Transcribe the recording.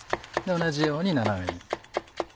同じように斜めに。